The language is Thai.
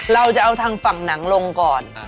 เราจะเอาทางฝั่งหนังลงก่อน